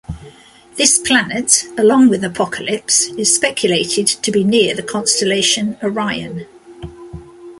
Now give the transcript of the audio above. This planet, along with Apokolips, is speculated to be near the constellation Orion.